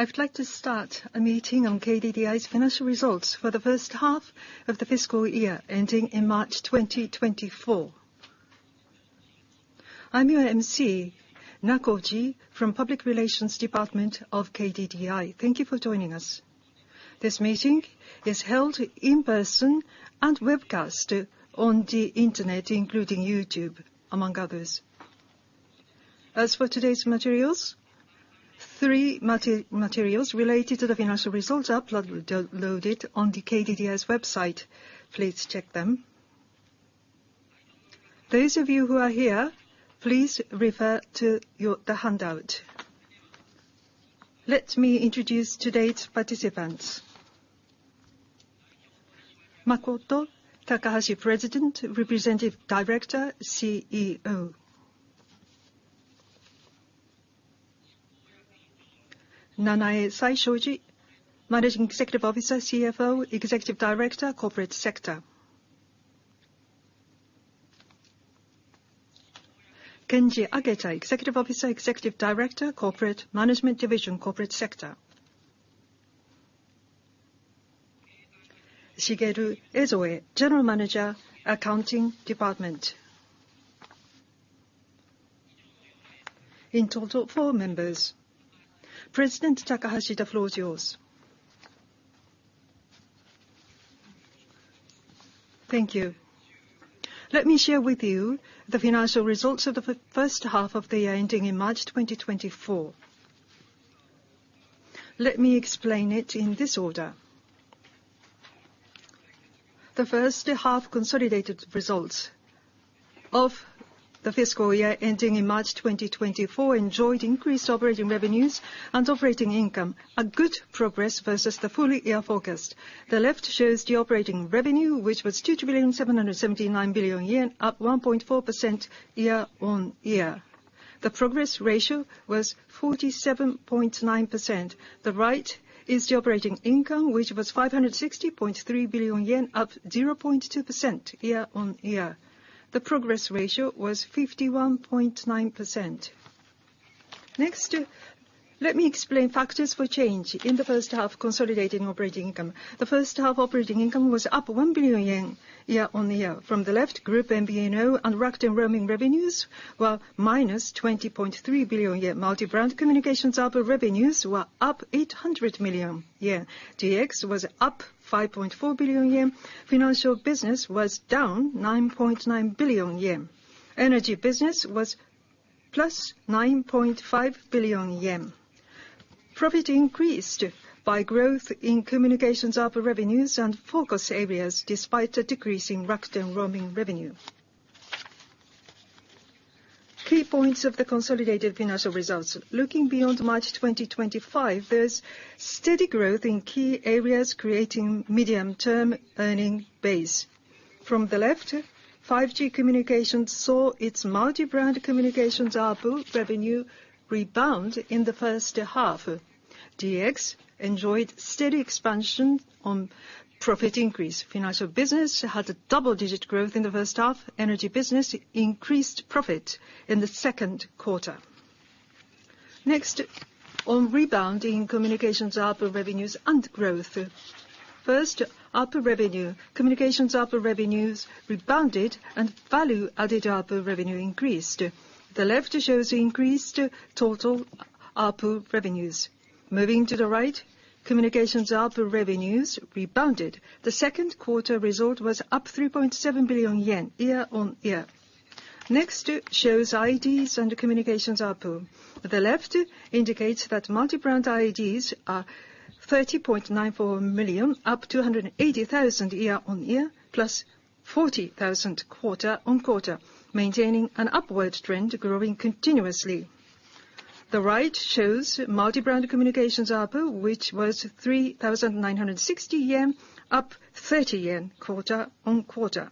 I'd like to start a meeting on KDDI's financial results for the first half of the fiscal year ending in March 2024. I'm your emcee, Naoko Oji, from Public Relations Department of KDDI. Thank you for joining us. This meeting is held in person and webcast on the internet, including YouTube, among others. As for today's materials, three materials related to the financial results are loaded on the KDDI's website. Please check them. Those of you who are here, please refer to the handout. Let me introduce today's participants. Makoto Takahashi, President, Representative Director, CEO. Nanae Saishoji, Managing Executive Officer, CFO, Executive Director, Corporate Sector. Kenji Aketa, Executive Officer, Executive Director, Corporate Management Division, Corporate Sector. Shigeru Ezoe, General Manager, Accounting Department. In total, four members. President Takahashi, the floor is yours. Thank you. Let me share with you the financial results of the first half of the year, ending in March 2024. Let me explain it in this order. The first half consolidated results of the fiscal year ending in March 2024, enjoyed increased operating revenues and operating income, a good progress versus the full year forecast. The left shows the operating revenue, which was 2,779 billion yen, up 1.4% year-over-year. The progress ratio was 47.9%. The right is the operating income, which was 560.3 billion yen, up 0.2% year-over-year. The progress ratio was 51.9%. Next, let me explain factors for change in the first half consolidating operating income. The first half operating income was up 1 billion yen year-over-year. From the left, group MVNO and Rakuten roaming revenues were minus 20.3 billion yen. Multi-brand communications ARPU revenues were up 800 million yen. DX was up 5.4 billion yen. Financial business was down 9.9 billion yen. Energy business was plus 9.5 billion yen. Profit increased by growth in communications ARPU revenues and focus areas, despite a decrease in Rakuten roaming revenue. Key points of the consolidated financial results. Looking beyond March 2025, there's steady growth in key areas, creating medium-term earning base. From the left, 5G communications saw its multi-brand communications ARPU revenue rebound in the first half. DX enjoyed steady expansion on profit increase. Financial business had a double-digit growth in the first half. Energy business increased profit in the 2Q. Next, on rebound in communications ARPU revenues and growth. First, ARPU revenue. Communications ARPU revenues rebounded and value-added ARPU revenue increased. The left shows increased total ARPU revenues. Moving to the right, communications ARPU revenues rebounded. The 2Q result was up 3.7 billion yen year-over-year. Next shows IDs and communications ARPU. The left indicates that multi-brand IDs are 30.94 million, up 280,000 year-over-year, plus 40,000 quarter-over-quarter, maintaining an upward trend, growing continuously. The right shows multi-brand communications ARPU, which was 3,960 yen, up 30 yen quarter-over-quarter.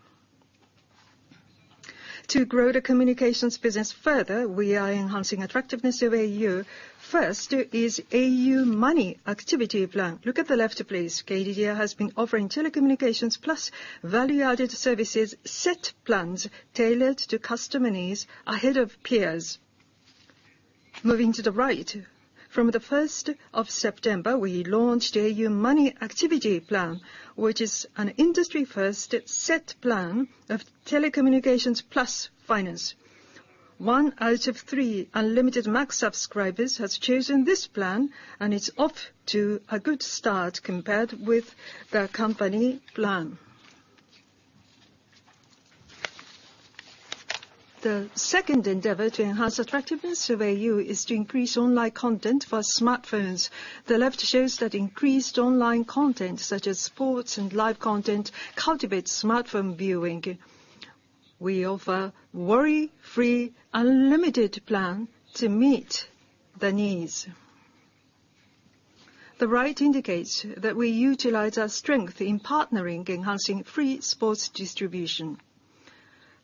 To grow the communications business further, we are enhancing attractiveness of au. First is au Money Activity Plan. Look at the left, please. KDDI has been offering telecommunications plus value-added services set plans tailored to customer needs ahead of peers. Moving to the right. From the 1st of September, we launched au Money Activity Plan, which is an industry-first set plan of telecommunications plus finance. One out of three unlimited max subscribers has chosen this plan, and it's off to a good start compared with the company plan. The second endeavor to enhance attractiveness of au is to increase online content for smartphones. The left shows that increased online content, such as sports and live content, cultivates smartphone viewing. We offer worry-free, unlimited plan to meet the needs. The right indicates that we utilize our strength in partnering, enhancing free sports distribution.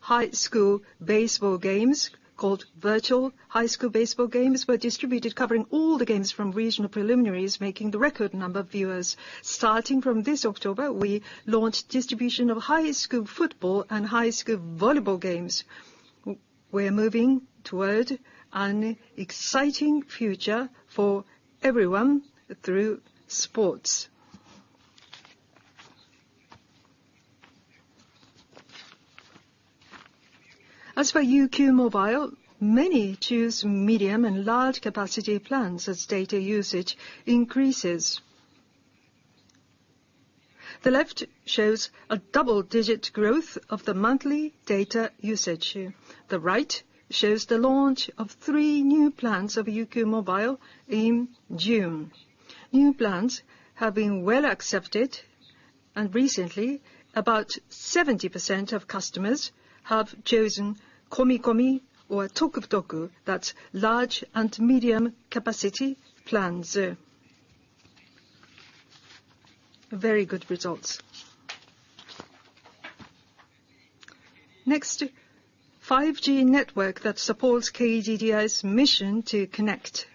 High school baseball games, called Virtual High School Baseball, were distributed covering all the games from regional preliminaries, making the record number of viewers. Starting from this October, we launched distribution of high school football and high school volleyball games. We're moving toward an exciting future for everyone through sports. As for UQ mobile, many choose medium and large capacity plans as data usage increases. The left shows a double-digit growth of the monthly data usage. The right shows the launch of 3 new plans of UQ mobile in June. New plans have been well accepted and recently, about 70% of customers have chosen Komikomi or Tokutoku. That's large and medium capacity plans. Very good results. Next, 5G network that supports KDDI's mission to connect.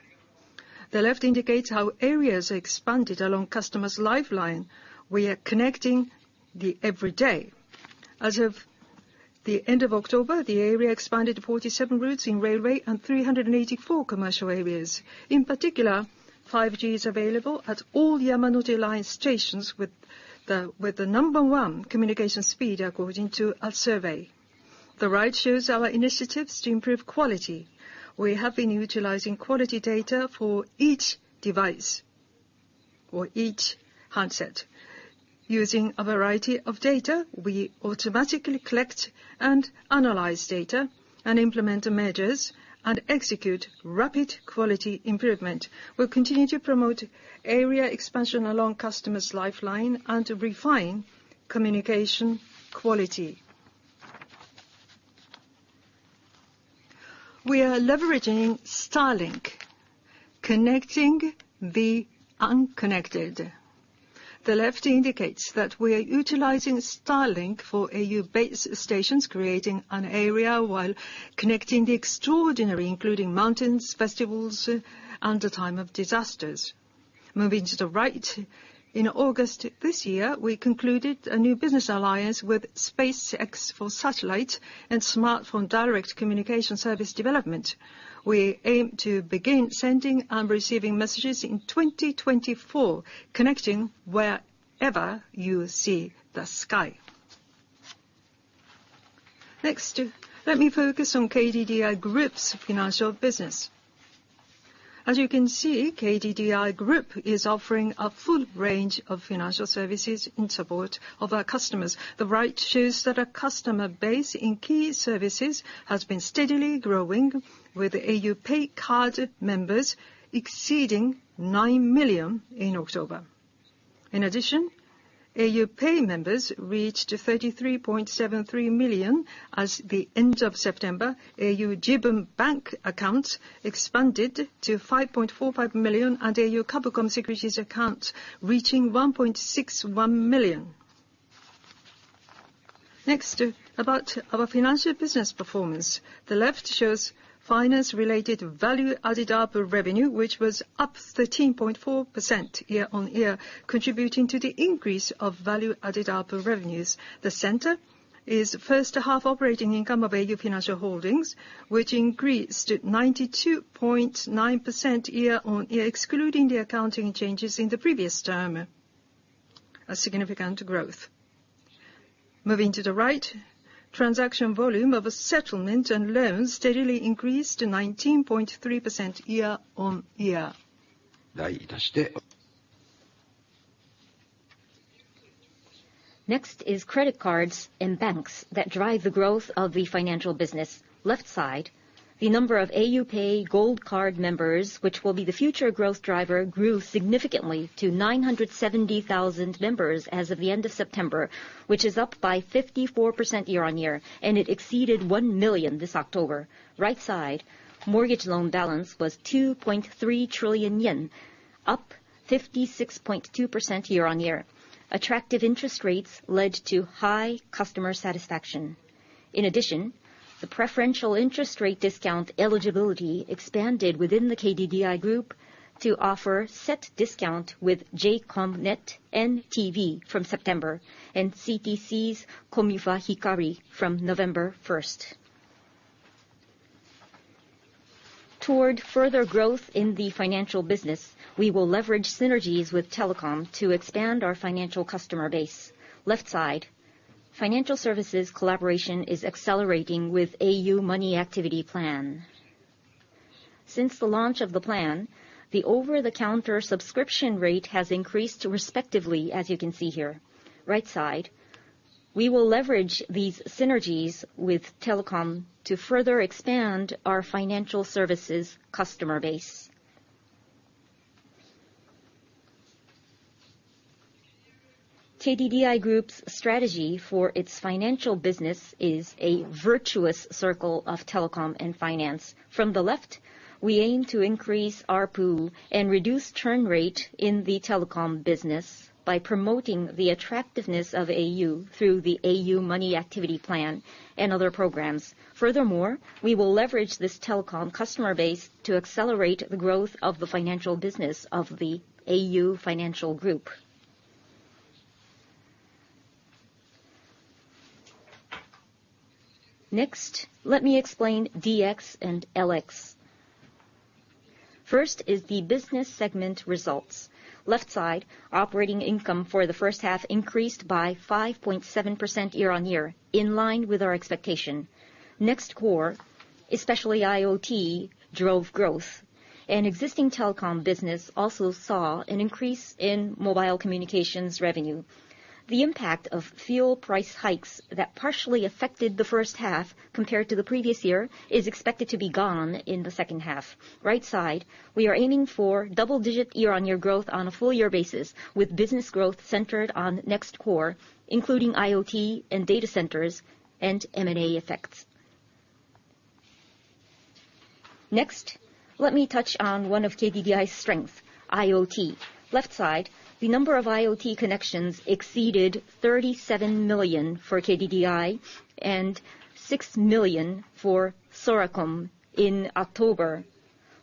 The left indicates how areas expanded along customers' lifeline. We are connecting the everyday. As of the end of October, the area expanded to 47 routes in railway and 384 commercial areas. In particular, 5G is available at all Yamanote Line stations with the number one communication speed, according to a survey. The right shows our initiatives to improve quality. We have been utilizing quality data for each device or each handset. Using a variety of data, we automatically collect and analyze data and implement measures and execute rapid quality improvement. We'll continue to promote area expansion along customers' lifeline and refine communication quality. We are leveraging Starlink, connecting the unconnected. The left indicates that we are utilizing Starlink for au base stations, creating an area while connecting the extraordinary, including mountains, festivals, and the time of disasters. Moving to the right, in August this year, we concluded a new business alliance with SpaceX for satellite and smartphone direct communication service development. We aim to begin sending and receiving messages in 2024, connecting wherever you see the sky. Next, let me focus on KDDI Group's financial business. As you can see, KDDI Group is offering a full range of financial services in support of our customers. The right shows that our customer base in key services has been steadily growing, with au PAY Card members exceeding 9 million in October. In addition, au PAY members reached 33.73 million as the end of September. au Jibun Bank accounts expanded to 5.45 million, and au Kabucom Securities account reaching 1.61 million. Next, about our financial business performance. The left shows finance-related value-added ARPU revenue, which was up 13.4% year-on-year, contributing to the increase of value-added ARPU revenues. The center is first-half operating income of au Financial Holdings, which increased at 92.9% year-on-year, excluding the accounting changes in the previous term. A significant growth. Moving to the right, transaction volume of settlement and loans steadily increased to 19.3% year-on-year. Next is credit cards and banks that drive the growth of the financial business. Left side, the number of au PAY Gold Card members, which will be the future growth driver, grew significantly to 970,000 members as of the end of September, which is up by 54% year-on-year, and it exceeded 1 million this October. Right side, mortgage loan balance was 2.3 trillion yen, up 56.2% year-on-year. Attractive interest rates led to high customer satisfaction. In addition, the preferential interest rate discount eligibility expanded within the KDDI Group to offer set discount with J:COM net and TV from September, and CTC's commuf@hikari from November 1st. Toward further growth in the financial business, we will leverage synergies with telecom to expand our financial customer base. Left side, financial services collaboration is accelerating with au Money Activity Plan. Since the launch of the plan, the over-the-counter subscription rate has increased respectively, as you can see here. Right side, we will leverage these synergies with telecom to further expand our financial services customer base. KDDI Group's strategy for its financial business is a virtuous circle of telecom and finance. From the left, we aim to increase ARPU and reduce churn rate in the telecom business by promoting the attractiveness of au through the au Money Activity Plan and other programs. Furthermore, we will leverage this telecom customer base to accelerate the growth of the financial business of the au Financial Group. Next, let me explain DX and LX. First is the business segment results. Left side, operating income for the first half increased by 5.7% year-on-year, in line with our expectation. Next core, especially IoT, drove growth. An existing telecom business also saw an increase in mobile communications revenue. The impact of fuel price hikes that partially affected the first half compared to the previous year is expected to be gone in the second half. Right side, we are aiming for double-digit year-on-year growth on a full year basis, with business growth centered on next core, including IoT and data centers, and M&A effects. Next, let me touch on one of KDDI's strengths, IoT. Left side, the number of IoT connections exceeded 37 million for KDDI and 6 million for Soracom in October,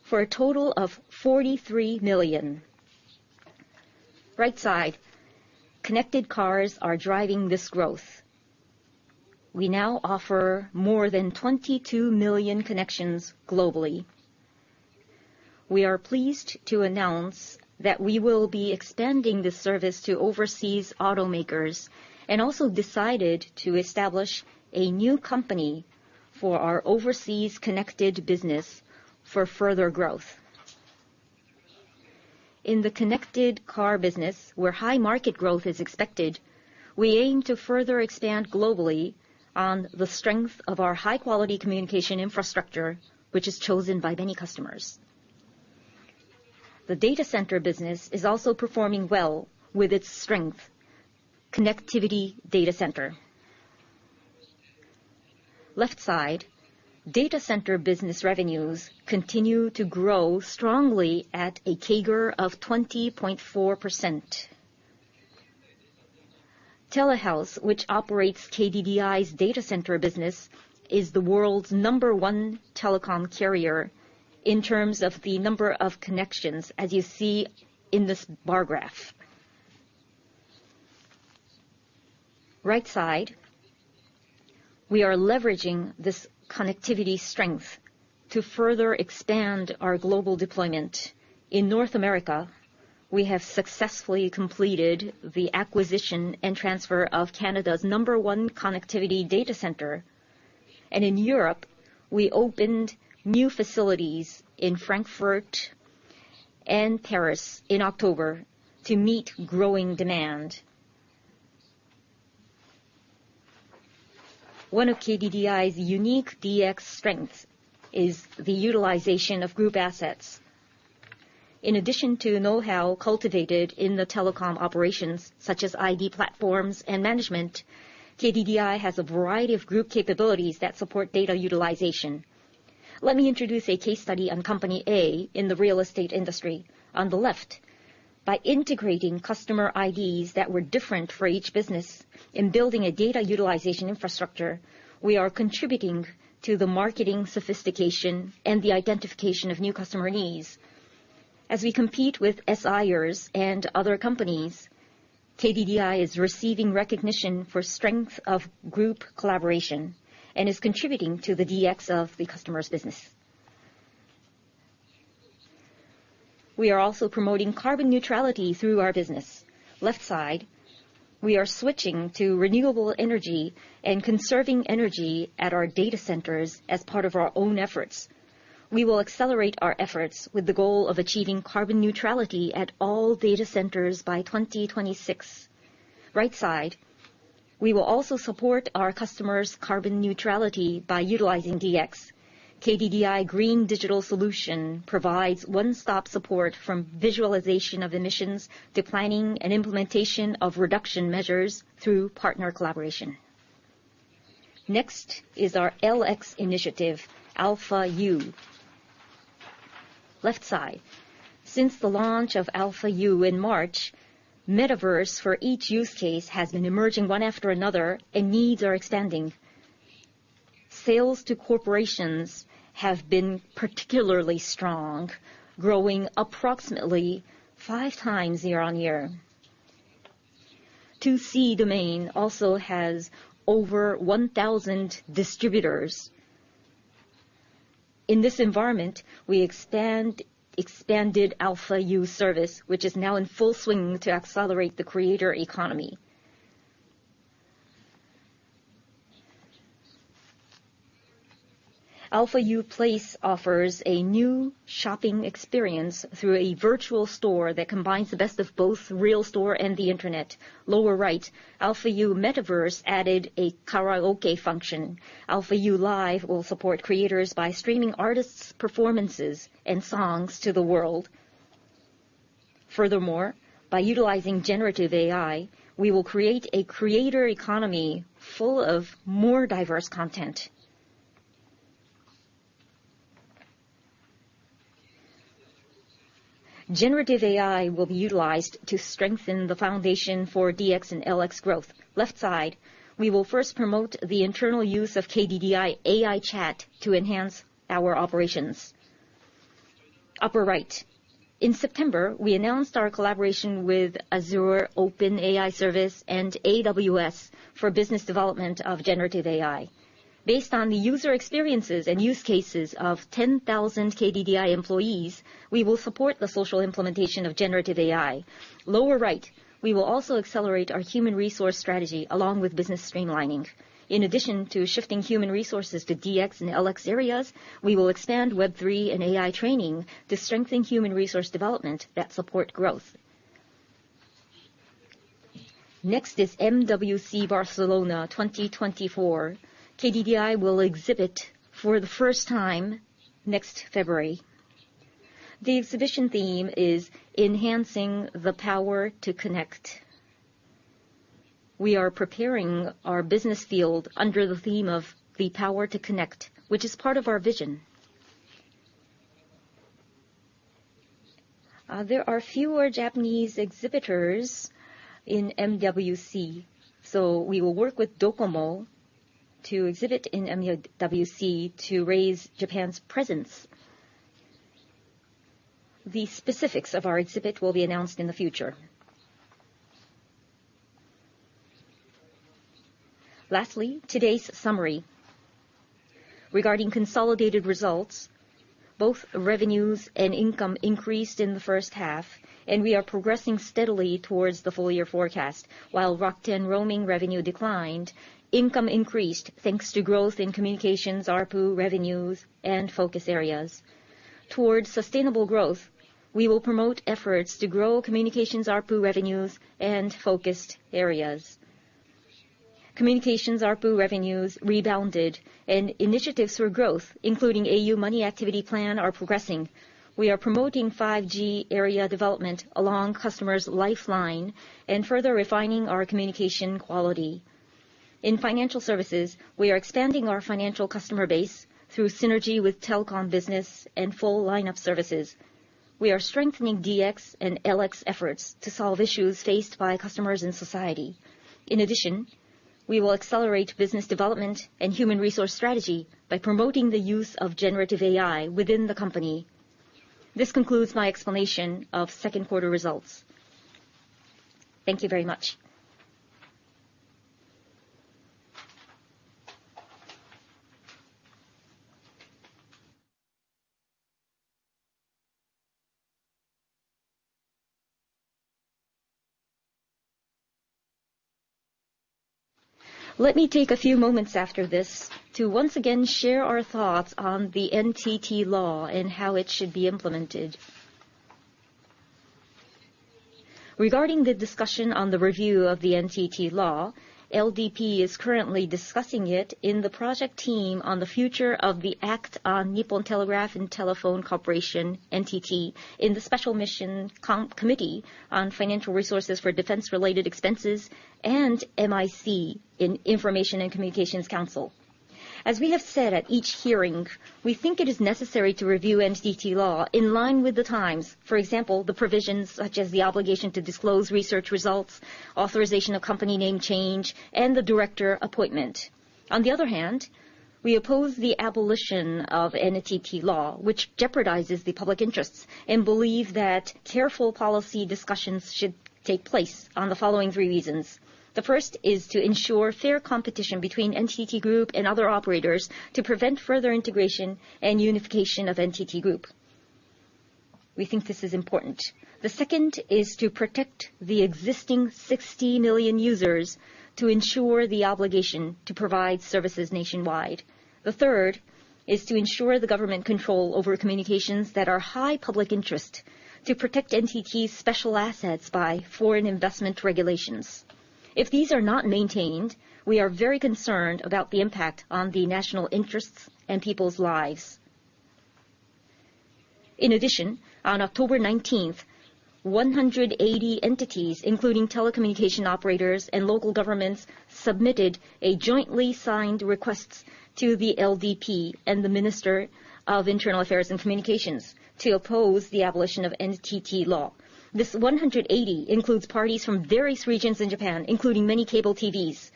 for a total of 43 million. Right side, connected cars are driving this growth. We now offer more than 22 million connections globally. We are pleased to announce that we will be extending this service to overseas automakers, and also decided to establish a new company for our overseas connected business for further growth. In the connected car business, where high market growth is expected, we aim to further expand globally on the strength of our high-quality communication infrastructure, which is chosen by many customers. The data center business is also performing well with its strength, connectivity data center. Left side, data center business revenues continue to grow strongly at a CAGR of 20.4%. Telehouse, which operates KDDI's data center business, is the world's number 1 telecom carrier in terms of the number of connections, as you see in this bar graph. Right side, we are leveraging this connectivity strength to further expand our global deployment. In North America, we have successfully completed the acquisition and transfer of Canada's number 1 connectivity data center, and in Europe, we opened new facilities in Frankfurt and Paris in October to meet growing demand. One of KDDI's unique DX strengths is the utilization of Group assets. In addition to know-how cultivated in the telecom operations, such as ID platforms and management, KDDI has a variety of group capabilities that support data utilization. Let me introduce a case study on Company A in the real estate industry. On the left, by integrating customer IDs that were different for each business in building a data utilization infrastructure, we are contributing to the marketing sophistication and the identification of new customer needs. As we compete with SIers and other companies, KDDI is receiving recognition for strength of group collaboration and is contributing to the DX of the customer's business. We are also promoting carbon neutrality through our business. Left side, we are switching to renewable energy and conserving energy at our data centers as part of our own efforts. We will accelerate our efforts with the goal of achieving carbon neutrality at all data centers by 2026. Right side, we will also support our customers' carbon neutrality by utilizing DX. KDDI Green Digital Solution provides one-stop support from visualization of emissions to planning and implementation of reduction measures through partner collaboration. Next is our LX initiative, αU. Left side. Since the launch of αU in March, metaverse for each use case has been emerging one after another and needs are expanding. Sales to corporations have been particularly strong, growing approximately 5 times year-on-year. 2C domain also has over 1,000 distributors. In this environment, we expanded αU service, which is now in full swing to accelerate the creator economy. αU place offers a new shopping experience through a virtual store that combines the best of both real store and the internet. Lower right, αU metaverse added a karaoke function. αU live will support creators by streaming artists' performances and songs to the world. Furthermore, by utilizing generative AI, we will create a creator economy full of more diverse content. Generative AI will be utilized to strengthen the foundation for DX and LX growth. Left side, we will first promote the internal use of KDDI AI Chat to enhance our operations. Upper right. In September, we announced our collaboration with Azure OpenAI Service and AWS for business development of generative AI. Based on the user experiences and use cases of 10,000 KDDI employees, we will support the social implementation of generative AI. Lower right. We will also accelerate our human resource strategy along with business streamlining. In addition to shifting human resources to DX and LX areas, we will expand Web3 and AI training to strengthen human resource development that support growth. Next is MWC Barcelona 2024. KDDI will exhibit for the first time next February. The exhibition theme is enhancing the power to connect. We are preparing our business field under the theme of the power to connect, which is part of our vision. There are fewer Japanese exhibitors in MWC, so we will work with DOCOMO to exhibit in MWC to raise Japan's presence. The specifics of our exhibit will be announced in the future. Lastly, today's summary. Regarding consolidated results, both revenues and income increased in the first half, and we are progressing steadily towards the full-year forecast. While Roam/Roaming revenue declined, income increased thanks to growth in communications ARPU revenues and focus areas. Towards sustainable growth, we will promote efforts to grow communications ARPU revenues and focused areas. Communications ARPU revenues rebounded and initiatives for growth, including au Money Activity Plan, are progressing. We are promoting 5G area development along customers' lifeline and further refining our communication quality. In financial services, we are expanding our financial customer base through synergy with telecom business and full lineup services. We are strengthening DX and LX efforts to solve issues faced by customers in society. In addition, we will accelerate business development and human resource strategy by promoting the use of generative AI within the company. This concludes my explanation of second quarter results. Thank you very much. Let me take a few moments after this to once again share our thoughts on the NTT Law and how it should be implemented. Regarding the discussion on the review of the NTT Law, LDP is currently discussing it in the project team on the future of the Act on Nippon Telegraph and Telephone Corporation, NTT, in the Special Mission Committee on Financial Resources for Defense-Related Expenses, and MIC in Information and Communications Council. As we have said at each hearing, we think it is necessary to review the NTT Law in line with the times. For example, the provisions such as the obligation to disclose research results, authorization of company name change, and the director appointment. On the other hand, we oppose the abolition of the NTT Law, which jeopardizes the public interests and believe that careful policy discussions should take place on the following three reasons. The first is to ensure fair competition between NTT Group and other operators to prevent further integration and unification of NTT Group. We think this is important. The second is to protect the existing 60 million users to ensure the obligation to provide services nationwide. The third is to ensure the government control over communications that are high public interest to protect NTT's special assets by foreign investment regulations. If these are not maintained, we are very concerned about the impact on the national interests and people's lives. In addition, on October 19th, 180 entities, including telecommunication operators and local governments, submitted a jointly signed request to the LDP and the Minister of Internal Affairs and Communications to oppose the abolition of the NTT Law. This 180 includes parties from various regions in Japan, including many cable TVs.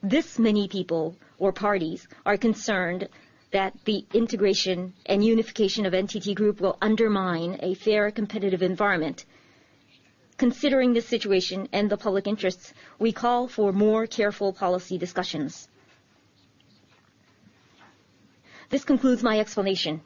This many people or parties are concerned that the integration and unification of NTT Group will undermine a fair competitive environment. Considering the situation and the public interests, we call for more careful policy discussions. This concludes my explanation.